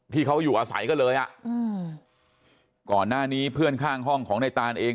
ที่เขาอยู่อาศัยก็เลยอ่ะอืมก่อนหน้านี้เพื่อนข้างห้องของในตานเอง